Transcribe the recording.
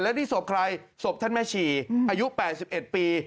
แล้วนี่ศพใครศพท่านแม่ชีอายุ๘๑ปี